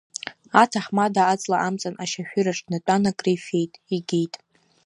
Аҭаҳмада аҵла амҵан ашьашәыраҿ днатәан акрифеит, егьит.